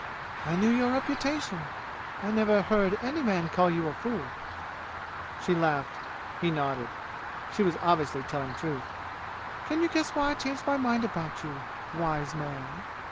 I knew your reputation. I never heard any man call you a fool." She laughed. He nodded. She was obviously telling truth. "Can you guess why I changed my mind about you wise man?"